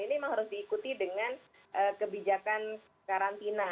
ini memang harus diikuti dengan kebijakan karantina